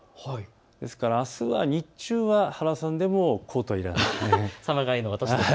ですからあすは日中は原さんでもコートがいらないくらいです。